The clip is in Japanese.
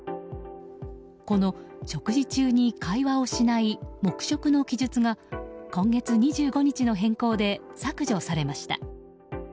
この食事中に会話をしない黙食の記述が今月２５日の変更で削除されました。